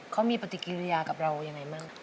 เขามีปฏิกิริยากับเรายังไงบ้าง